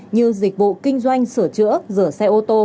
như dịch vụ kinh doanh sửa chữa rửa xe ô tô